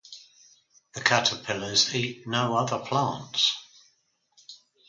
The caterpillars eat no other plants.